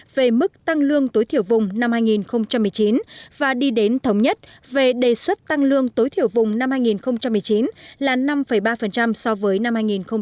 về mức tăng lương tối thiểu vùng năm hai nghìn một mươi chín và đi đến thống nhất về đề xuất tăng lương tối thiểu vùng năm hai nghìn một mươi chín là năm ba so với năm hai nghìn một mươi tám